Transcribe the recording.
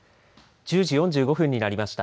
１０時４５分になりました。